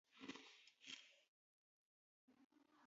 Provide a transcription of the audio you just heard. იგი ჟღერს ანიმაციურ ფილმში ტარზანი.